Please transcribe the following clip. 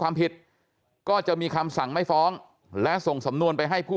ความผิดก็จะมีคำสั่งไม่ฟ้องและส่งสำนวนไปให้ผู้